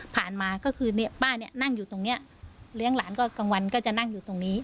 มาก็คือเนี่ยป้าเนี่ยนั่งอยู่ตรงนี้เลี้ยงหลานก็กลางวันก็จะนั่งอยู่ตรงนี้